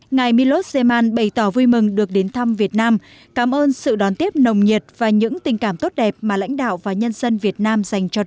ngài milot zeman bày tỏ vui mừng được đến thăm việt nam cảm ơn sự đón tiếp nồng nhiệt và những tình cảm tốt đẹp mà lãnh đạo và nhân dân việt nam